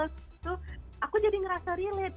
itu aku jadi ngerasa relate